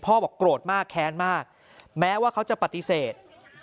บอกโกรธมากแค้นมากแม้ว่าเขาจะปฏิเสธ